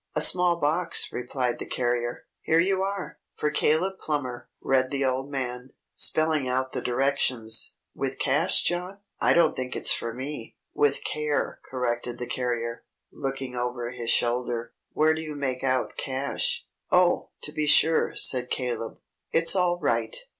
"A small box," replied the carrier. "Here you are!" "'For Caleb Plummer,'" read the old man, spelling out the directions. "'With Cash!' With cash, John? I don't think it's for me!" "'With Care,'" corrected the carrier, looking over his shoulder. "Where do you make out 'cash'?" "Oh! To be sure!" said Caleb. "It's all right.